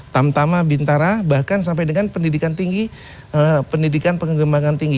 tamtama bintara bahkan sampai dengan pendidikan tinggi pendidikan pengembangan tinggi